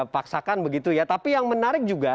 paksakan begitu ya tapi yang menarik juga